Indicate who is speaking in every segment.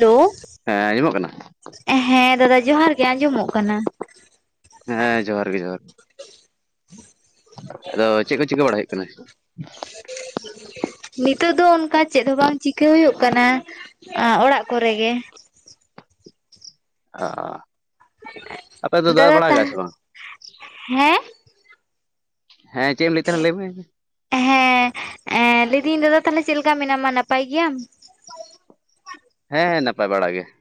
Speaker 1: Hello,
Speaker 2: ᱦᱮᱸ ᱟᱸᱡᱚᱢᱚᱜ ᱠᱟᱱᱟ
Speaker 1: ᱦᱮᱸ ᱫᱟᱫᱟ ᱡᱚᱦᱟᱨ ᱜᱮ ᱾ ᱟᱸᱡᱚᱢᱚᱜ ᱠᱟᱱᱟ ᱾
Speaker 2: ᱦᱮᱸ, ᱡᱚᱦᱟᱨ ᱜᱮ, ᱡᱚᱦᱟᱨ ᱾ ᱟᱫᱚ ᱪᱮᱫ ᱠᱚ, ᱪᱤᱠᱟᱹ ᱵᱟᱲᱟᱭ ᱦᱩᱭᱩᱜ ᱠᱟᱱᱟ?
Speaker 1: ᱱᱤᱛᱚᱜ ᱫᱚ ᱚᱱᱠᱟ ᱪᱮᱫ? ᱦᱚᱸ ᱵᱟᱝ ᱪᱤᱠᱟᱹ ᱦᱩᱭᱩᱜ ᱠᱟᱱᱟ ᱾ ᱚᱲᱟᱜ ᱠᱚᱨᱮ ᱜᱮ᱾
Speaker 2: ᱚᱼᱚ ᱾
Speaker 1: [inaudible] ᱫᱟᱫᱟ ᱛᱟᱦ,
Speaker 2: ᱥᱮ ᱵᱟᱝ
Speaker 1: [inaudible] ᱦᱮᱸ?
Speaker 2: ᱦᱮᱸ, ᱪᱮᱫ ᱮᱢ ᱞᱟᱹᱭ ᱮᱫ ᱛᱟᱦᱮᱱᱟ? ᱞᱟᱹᱭ ᱢᱮ ᱾
Speaker 1: ᱮᱻᱦᱮᱸᱻ, ᱮᱸᱻ ᱞᱟᱹᱭ [unintelligible] ᱫᱟᱹᱧ ᱫᱟᱫᱟ ᱛᱟᱦᱚᱞᱮ, ᱪᱮᱞ ᱠᱟ? ᱢᱮᱱᱟᱢᱟ ᱾ ᱱᱟᱯᱟᱭ ᱜᱮᱭᱟᱢ?
Speaker 2: ᱦᱮᱸ, ᱦᱮᱸ, ᱱᱟᱯᱟᱭ ᱵᱟᱲᱟ ᱜᱮ ᱾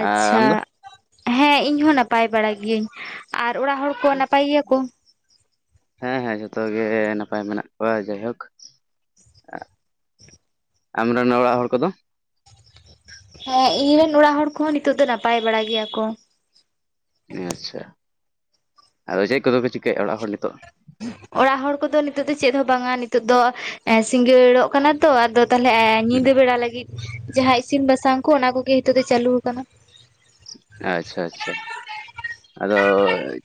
Speaker 1: ᱟᱪᱷᱟ
Speaker 2: ᱫᱚ
Speaker 1: ᱾ ᱦᱮᱸ, ᱤᱧ ᱦᱚᱸ ᱱᱟᱯᱟᱭ ᱵᱟᱲᱟ ᱜᱤᱭᱟᱹᱧ ᱾ ᱟᱨ ᱚᱲᱟᱜ ᱦᱚᱲ ᱠᱚ, ᱱᱟᱯᱟᱭ ᱜᱮᱭᱟ ᱠᱚ?
Speaker 2: ᱦᱮᱸ ᱦᱮᱸ, ᱡᱚᱛᱚ ᱜᱮ ᱱᱟᱯᱟᱭ ᱢᱮᱱᱟᱜ ᱠᱚᱣᱟ ᱡᱟᱭᱦᱳᱠ ᱾ ᱟᱢᱨᱮᱱ, ᱚᱲᱟᱜ ᱦᱚᱲ ᱠᱚᱫᱚ?
Speaker 1: ᱦᱮᱸᱻ, ᱤᱧ ᱨᱮᱱ ᱚᱲᱟᱜ ᱦᱚᱲ ᱠᱚᱦᱚᱸ, ᱱᱤᱛᱚᱜ ᱫᱚ ᱱᱟᱯᱟᱭ ᱵᱟᱲᱟ ᱜᱮᱭᱟ ᱠᱚ ᱾
Speaker 2: ᱟᱪᱷᱟ ᱾ ᱟᱫᱚ, ᱪᱮᱫ ᱠᱚᱫᱚ ᱯᱮ ᱪᱤᱠᱟ., ᱮᱭᱟ ᱚᱲᱟᱜ ᱦᱚᱲ ᱱᱤᱛᱚᱜ?
Speaker 1: ᱚᱲᱟᱜ ᱦᱚᱲ ᱠᱚᱫᱚ ᱱᱤᱛᱚᱜ ᱫᱚ ᱪᱮᱫ? ᱦᱚᱸ ᱵᱟᱝᱼᱟ ᱾ ᱱᱤᱛᱚᱜ ᱫᱚ ᱥᱤᱸᱜᱟᱹᱲᱚᱜ ᱠᱟᱱᱟ ᱛᱚ, ᱟᱫᱚ ᱛᱟᱦᱞᱮ ᱾
Speaker 2: ᱦᱩᱸ
Speaker 1: ᱧᱤᱫᱟᱹ ᱵᱮᱲᱟ, ᱞᱟᱹᱜᱤᱫ ᱡᱟᱦᱟ ᱤᱥᱤᱱ ᱵᱟᱥᱟᱝ ᱠᱚ, ᱚᱱᱟ ᱠᱚᱜᱮ ᱦᱤᱛᱚᱜ ᱫᱚ, ᱪᱟᱞᱩ ᱟᱠᱟᱱᱟ ᱾
Speaker 2: ᱟᱻᱪᱷᱟ, ᱟᱪᱷᱟ ᱾ ᱟᱫᱚ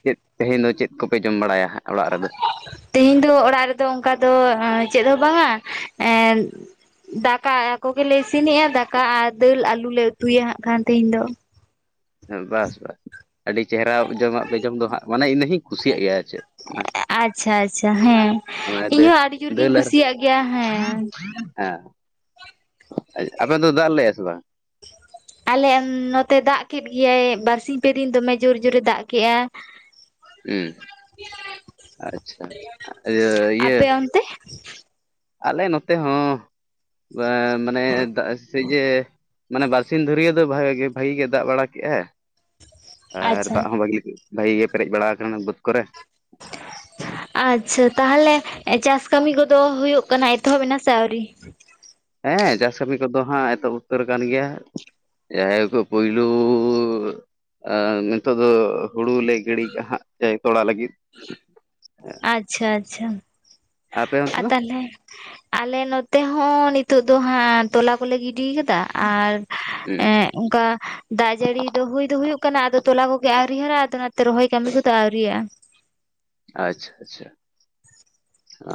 Speaker 2: ᱪᱮᱫ? ᱛᱮᱦᱮᱧ ᱫᱚ ᱪᱮᱫ ᱠᱚᱯᱮ, ᱡᱚᱢ ᱵᱟᱲᱟᱭᱟ ᱦᱟᱸᱜ ᱚᱲᱟᱜ ᱨᱮᱫᱚ?
Speaker 1: [unintelligible] ᱛᱮᱦᱤᱧ ᱫᱚ ᱚᱲᱟᱜ ᱨᱮᱫᱚ ᱚᱝᱠᱟ ᱫᱚ, ᱪᱮᱫ, ᱦᱚᱸ ᱵᱟᱝᱼᱟ? ᱮᱸᱻ, ᱫᱟᱠᱟ ᱟᱼᱠᱚ ᱜᱮᱞᱮ, ᱤᱥᱤᱱᱮᱜᱼᱟ ᱾ ᱫᱟᱠᱟ ᱟᱨ ᱫᱟᱹᱞ ᱟᱞᱩ ᱞᱮ, ᱩᱛᱩᱭᱟ ᱦᱟᱸᱜ, ᱠᱷᱟᱱ ᱛᱮᱦᱮᱧ ᱫᱚ?
Speaker 2: ᱵᱟᱥ-ᱵᱟᱥ, ᱟᱹᱰᱤ ᱪᱮᱦᱨᱟ ᱡᱚᱢᱟᱜ ᱯᱮ, ᱡᱚᱢ ᱫᱚ ᱦᱟᱸᱜ, ᱟᱱᱮ ᱤᱧ ᱦᱟᱸᱜ ᱤᱧ ᱠᱩᱥᱤᱭᱟᱜ ᱜᱮᱭᱟ ᱾ ᱟᱨ ᱪᱮᱫ?
Speaker 1: ᱟᱼᱪᱷᱟ, ᱟᱪᱷᱟ ᱾ ᱦᱮᱸᱻ, ᱤᱧ ᱦᱚᱸ ᱟᱹᱰᱤ ᱡᱳᱨ ᱜᱤᱧ ᱠᱩᱥᱤᱭᱟ ᱜᱮᱭᱟ, ᱦᱮᱸ᱾ [inaudible]
Speaker 2: ᱦᱮᱸᱻ, ᱟᱯᱮ [unintelligible] ᱫᱚ ᱫᱟᱜ ᱞᱮᱜᱼᱟ ᱥᱮ ᱵᱟᱝ?
Speaker 1: ᱟᱞᱮ ᱱᱚᱛᱮ ᱫᱟᱜ ᱠᱮᱫ ᱜᱮᱭᱟᱭ ᱵᱟᱨᱥᱤᱧ ᱯᱮ ᱫᱤᱱ ᱫᱚᱢᱮ ᱡᱳᱨ ᱡᱳᱨᱮ ᱫᱟᱜ ᱠᱮᱭᱟ᱾
Speaker 2: ᱦᱩᱸ ᱟᱪᱷᱟ ᱤᱭᱟᱹ ᱤᱭᱟᱹ᱾
Speaker 1: ᱟᱯᱮ [inaudible]
Speaker 2: ᱟᱞᱮ ᱱᱚᱛᱮ ᱦᱚᱸ ᱵᱟ ᱢᱟᱱᱮ ᱫᱟᱜ ᱥᱮ ᱤᱭᱟᱹ᱾ ᱢᱟᱱᱮ ᱵᱟᱨᱥᱤᱧ ᱫᱷᱩᱨᱤᱭᱟᱹ ᱫᱚ ᱵᱷᱟᱜᱤ ᱜᱮ ᱫᱟᱜ ᱵᱟᱲᱟ ᱠᱮᱜᱼᱟᱭ ᱟᱨ
Speaker 1: ᱟᱪᱪᱷᱟ
Speaker 2: ᱫᱟᱜ ᱦᱚᱸ ᱵᱷᱟᱹᱜᱤ ᱜᱮ᱾ ᱵᱷᱟᱹᱜᱤ ᱜᱮ ᱯᱮᱨᱮᱡ ᱵᱟᱲᱟ ᱟᱠᱟᱱᱟ ᱵᱟᱹᱫ ᱠᱚᱨᱮ᱾ [unintelligible]
Speaker 1: ᱟᱪᱪᱷᱟ ᱛᱟᱦᱚᱞᱮ ᱪᱟᱥ ᱠᱟᱹᱢᱤ ᱠᱚᱫᱚ ᱦᱩᱭᱩᱜ ᱠᱟᱱᱟ ᱮᱛᱚᱦᱚᱵ ᱮᱱᱟ ᱥᱮ ᱟᱹᱣᱨᱤ?
Speaker 2: ᱦᱮᱸ ᱪᱟᱥ ᱠᱟᱹᱢᱤ ᱠᱚᱫᱚ ᱦᱟᱸᱜ ᱮᱛᱚᱵ ᱩᱛᱟᱹᱨ ᱟᱠᱟᱱ ᱜᱮᱭᱟ᱾ ᱡᱟᱦᱟᱭ ᱠᱚ ᱯᱚᱭᱞᱩᱻᱻ᱾ ᱟᱨ ᱱᱤᱛᱚᱜ ᱫᱚ ᱦᱩᱲᱩᱞᱮ ᱜᱤᱲᱤ ᱠᱟᱜᱼᱦᱟᱜ ᱟᱹᱭ ᱛᱚᱲᱟ ᱞᱟᱹᱜᱤᱫ᱾
Speaker 1: ᱟᱪᱪᱷᱟ ᱟᱪᱪᱷᱟ
Speaker 2: ᱟᱯᱮ ᱚᱱᱛᱮ
Speaker 1: ᱟᱨ
Speaker 2: ᱫᱚ
Speaker 1: ᱛᱟᱦᱚᱞᱮ᱾ ᱟᱞᱮ ᱱᱚᱛᱮ ᱦᱚᱸ ᱱᱤᱛᱳᱜ ᱫᱚ ᱦᱟᱸᱜ ᱛᱚᱞᱟ ᱠᱚᱞᱮ ᱜᱤᱰᱤᱭ ᱟᱠᱟᱫᱟ ᱟᱨᱼᱼ
Speaker 2: ᱦᱩᱸ᱾
Speaker 1: ᱦᱮᱸ ᱚᱱᱠᱟ ᱫᱟᱜ ᱡᱟᱹᱲᱤ ᱫᱚ ᱦᱩᱭ ᱫᱚ ᱦᱩᱭᱩᱜ ᱠᱟᱱᱟ ᱟᱫᱚ ᱛᱚᱞᱟ ᱠᱚᱜᱮ ᱟᱹᱣᱨᱤ ᱦᱟᱨᱟᱜᱼᱟ ᱟᱫᱚ ᱚᱱᱟᱛᱮ ᱨᱚᱦᱚᱭ ᱠᱟᱹᱢᱤ ᱠᱚᱫᱚ ᱟᱣᱨᱤᱭᱟᱜᱼᱟ᱾
Speaker 2: ᱟᱪᱪᱷᱟ ᱟᱪᱪᱷᱟ ᱟ᱾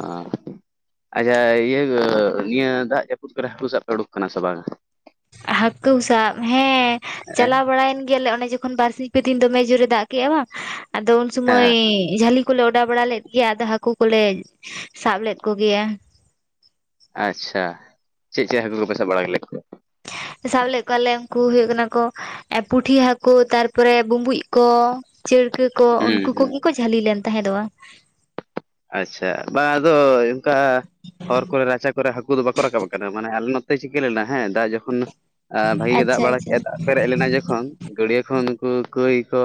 Speaker 2: ᱟᱪᱷᱟ ᱤᱭᱟᱹ ᱱᱤᱭᱟᱹ ᱫᱟᱜ ᱡᱟᱹᱯᱩᱫ ᱠᱚᱨᱮ ᱦᱟᱹᱠᱩ ᱥᱟᱵ ᱯᱮ ᱩᱰᱩᱠ ᱠᱟᱱᱟ ᱥᱮ ᱵᱟᱝᱼᱟ?
Speaker 1: ᱦᱟᱹᱠᱩ ᱥᱟᱵ ᱦᱮᱸ
Speaker 2: ᱦᱮᱸ
Speaker 1: ᱪᱟᱞᱟᱣ ᱵᱟᱲᱟᱭᱮᱱ ᱜᱮᱭᱟᱞᱮ ᱚᱱᱮ ᱡᱚ ᱛᱚᱠᱷᱚᱱ ᱵᱟᱨᱥᱤᱧ ᱯᱮ ᱫᱤᱧ ᱫᱚᱢᱮ ᱡᱳᱨᱮ ᱫᱟᱜ ᱠᱮᱜᱼᱟ ᱵᱟᱝ ᱟᱫᱚ ᱩᱱ ᱥᱩᱢᱚᱭ
Speaker 2: ᱦᱮᱸ
Speaker 1: ᱡᱟᱹᱞᱤᱼᱼ ᱠᱩᱞᱮ ᱚᱸᱰᱟᱣ ᱵᱟᱲᱟ ᱞᱮᱫ ᱜᱮᱭᱟ ᱟᱫᱚ ᱦᱟᱹᱠᱩ ᱠᱚᱞᱮ ᱥᱟᱵ ᱞᱮᱫ ᱠᱚᱜᱮᱭᱟ᱾
Speaker 2: ᱟᱪᱪᱷᱟ ᱪᱮᱫ ᱪᱮᱫ ᱦᱟᱹᱠᱩ ᱠᱚᱯᱮ ᱥᱟᱵ ᱵᱟᱲᱟ ᱞᱮ ᱠᱚᱭᱟ?
Speaker 1: ᱥᱟᱵ ᱞᱮᱫ ᱠᱚᱣᱟᱞᱮ ᱩᱱᱠᱩ ᱦᱩᱭᱩᱜ ᱠᱟᱱᱟ ᱠᱚᱼᱼ ᱯᱩᱴᱷᱤ ᱦᱟᱹᱠᱩ ᱛᱟᱨᱯᱚᱨᱮ ᱵᱩᱢᱵᱩᱪ ᱠᱚ ᱪᱟᱹᱲᱠᱟᱹᱼᱼ ᱠᱚ
Speaker 2: ᱦᱩᱸ
Speaker 1: ᱩᱱᱠᱩ
Speaker 2: ᱦᱩᱸ
Speaker 1: ᱠᱚᱜᱮ ᱠᱚ ᱡᱷᱟᱹᱞᱤ ᱞᱮᱱ ᱛᱟᱦᱮᱸ ᱫᱚᱜᱼᱟ᱾
Speaker 2: ᱟᱪᱪᱷᱟ ᱵᱟᱝ ᱟᱫᱚ ᱚᱱᱠᱟ ᱦᱚᱨ ᱠᱚᱨᱮ ᱨᱟᱪᱟ ᱠᱚᱨᱮ ᱦᱟᱹᱠᱩ ᱫᱚ ᱵᱟᱠᱚ ᱨᱟᱠᱟᱵ ᱠᱟᱱᱟ ᱢᱟᱱᱮ ᱟᱞᱮ ᱱᱚᱼᱼ ᱛᱮ ᱪᱤᱠᱟᱹ ᱞᱮᱱᱟ ᱦᱮᱸ ᱫᱟᱜ ᱡᱚᱠᱷᱚᱱ ᱵᱷᱟᱜᱮ ᱜᱮ ᱫᱟᱜ
Speaker 1: ᱟᱪᱪᱷᱟ
Speaker 2: ᱵᱟᱲᱟ
Speaker 1: ᱟᱪᱪᱷᱟ
Speaker 2: ᱠᱮᱫᱼᱟ ᱫᱟᱜ ᱯᱮᱨᱮᱡ ᱞᱮᱱᱟ ᱡᱚᱠᱷᱚᱱᱼᱼ ᱜᱟᱹᱰᱭᱟᱹ ᱠᱷᱚᱱ ᱩᱱᱠᱩ ᱠᱟᱹᱭ ᱠᱚ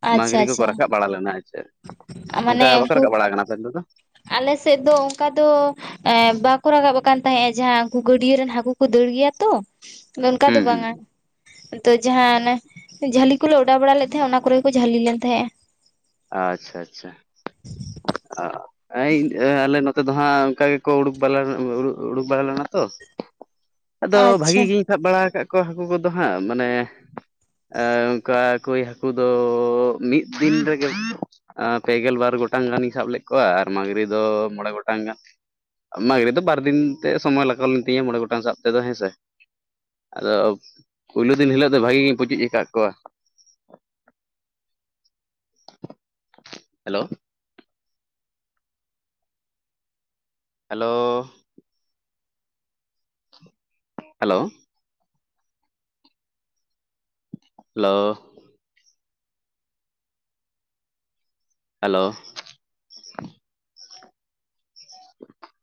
Speaker 1: ᱟᱪᱪᱷᱟ
Speaker 2: ᱢᱟᱺᱜᱽᱨᱤ ᱠᱚᱠᱚ
Speaker 1: ᱟᱪᱪᱷᱟ
Speaker 2: ᱨᱟᱠᱟᱵ ᱵᱟᱲᱟ ᱞᱮᱱᱟ ᱪᱮᱫ᱾
Speaker 1: ᱢᱟᱱᱮ
Speaker 2: ᱚᱱᱠᱟ ᱵᱟᱠᱚ
Speaker 1: ᱩᱱᱠᱩ
Speaker 2: ᱨᱟᱠᱟᱵ ᱵᱟᱲᱟ ᱟᱠᱟᱱᱟ ᱟᱯᱮ ᱚᱱᱛᱮ ᱫᱚ
Speaker 1: ᱟᱞᱮ ᱥᱮᱫ ᱫᱚ ᱚᱱᱠᱟ ᱫᱚᱼᱼ ᱮᱸ ᱵᱟᱠᱚ ᱨᱟᱠᱟᱵ ᱟᱠᱟᱱ ᱛᱟᱦᱮᱸᱫ ᱡᱟᱦᱟᱸ ᱩᱱᱠᱩ ᱜᱟᱹᱰᱭᱟᱹ ᱨᱮᱱ ᱦᱟᱹᱠᱩ ᱠᱩ ᱫᱟᱹᱲ ᱜᱮᱭᱟ ᱛᱚᱼᱼ ᱚᱱᱠᱟ ᱫᱚ
Speaker 2: ᱦᱩᱸ ᱦᱩᱸ
Speaker 1: ᱵᱟᱝᱟ᱾ ᱛᱚ ᱡᱟᱦᱟᱸ ᱚᱱᱮ ᱡᱷᱟᱹᱞᱤ ᱠᱚᱞᱮ ᱚᱰᱟᱣ ᱵᱟᱲᱟ ᱞᱮᱫ ᱛᱟᱦᱮᱸᱜ ᱚᱱᱟ ᱠᱚᱨᱮ ᱡᱷᱟᱹᱞᱤ ᱞᱮᱱ ᱛᱟᱦᱮᱸᱜᱼᱟ᱾
Speaker 2: ᱟᱪᱪᱷᱟ ᱟᱪᱪᱷᱟ ᱚᱻ ᱮᱤᱧ ᱮ ᱟᱞᱮ ᱱᱚᱛᱮ ᱫᱚ ᱦᱟᱸᱜ ᱚᱱᱠᱟ ᱜᱮᱠᱚ ᱩᱰᱩᱠ ᱵᱟᱞᱟ ᱩᱰᱩᱠ ᱵᱟᱲᱟ ᱞᱮᱱᱟ ᱛᱚ᱾ ᱟᱫᱚ
Speaker 1: ᱟᱪᱪᱷᱟ
Speaker 2: ᱵᱷᱟᱹᱜᱤ ᱜᱤᱧ ᱥᱟᱵ ᱵᱟᱲᱟ ᱠᱟᱜ ᱠᱚᱣᱟ ᱦᱟᱹᱠᱩ ᱠᱚᱫᱚ ᱦᱟᱸᱜ ᱢᱟᱱᱮᱼᱼ ᱚᱱᱠᱟ ᱠᱳᱭ ᱦᱟᱹᱠᱩ ᱫᱚ ᱢᱤᱫ ᱫᱤᱱ ᱨᱮᱼᱼ -ᱜᱮ ᱯᱮ ᱜᱮᱞ ᱵᱟᱨ ᱜᱚᱴᱟᱝ ᱜᱟᱱᱤᱧ ᱥᱟᱵ ᱞᱮᱫ ᱠᱚᱣᱟ ᱟᱨ ᱢᱟᱺᱜᱽᱨᱤ ᱫᱚ ᱢᱚᱬᱮ ᱜᱚᱴᱟᱝ ᱜᱟᱱ᱾ ᱢᱟᱺᱜᱨᱤ ᱫᱚ ᱵᱟᱨ ᱫᱤᱱ ᱛᱮ ᱥᱚᱢᱚᱭ ᱞᱟᱜᱟᱣ ᱞᱮᱱ ᱛᱤᱧᱟᱹ ᱢᱚᱸᱬᱮ ᱜᱚᱴᱟᱝ ᱥᱟᱵ ᱛᱮᱫᱚ ᱦᱮᱸ ᱥᱮ᱾ ᱟᱫᱚ ᱯᱩᱭᱞᱩ ᱫᱤᱱ ᱦᱤᱞᱳᱜ ᱫᱚ ᱵᱷᱟᱜᱤ ᱜᱤᱧ ᱯᱩᱪᱩᱡ ᱠᱟᱜ ᱠᱚᱣᱟ᱾ Hello. Hello hello hello hello [inaudible]